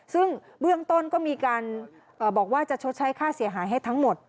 ซึ่งเบื้องต้นก็มีการบอกว่าจะชดใช้ค่าเสียหายให้ทั้งหมด